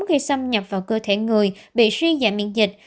khi xâm nhập vào cơ thể người bị suy giảm miễn dịch